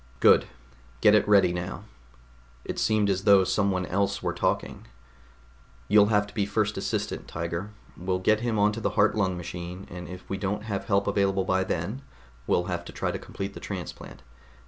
"Good. Get it ready now." It seemed as though someone else were talking. "You'll have to be first assistant, Tiger. We'll get him onto the heart lung machine, and if we don't have help available by then, we'll have to try to complete the transplant.